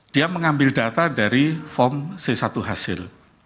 dia mengambil data dari form c satu hasil